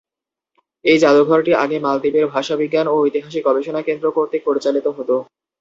এই জাদুঘরটি আগে মালদ্বীপের ভাষাবিজ্ঞান ও ঐতিহাসিক গবেষণা কেন্দ্র কর্তৃক পরিচালিত হতো।